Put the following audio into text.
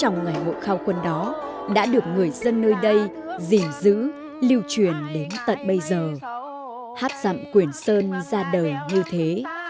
nơi đây dìm dữ lưu truyền đến tận bây giờ hát dạm quyển sơn ra đời như thế